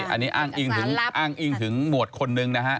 อันนี้อ้างอิงถึงหมวดคนนึงนะฮะ